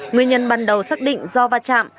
nguyên nhân ban đầu xác định do va chạm